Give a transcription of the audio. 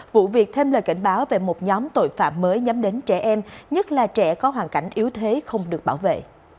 vụ việc thêm lời cảnh báo về một nhóm tội phạm mới nhắm đến trẻ em nhất là trẻ có hoàn cảnh yếu thế không được bảo vệ